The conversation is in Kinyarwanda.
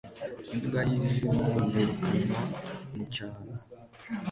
Imbwa yijimye yirukanwa mucyaro